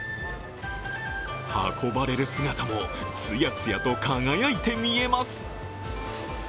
運ばれる姿もつやつやと輝いて見えます。